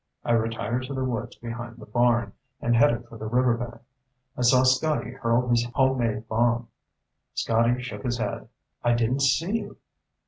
I retired to the woods behind the barn and headed for the riverbank. I saw Scotty hurl his homemade bomb." Scotty shook his head. "I didn't see you."